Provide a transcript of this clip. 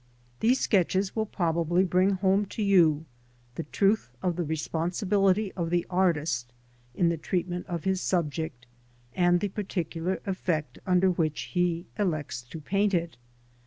These sketches will probably bring home to you the truth of the responsibility of the artist in the treatment of his subject, and the particular effect under which he elects to paint it.